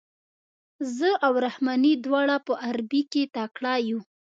زه او رحماني دواړه په عربي کې تکړه یو.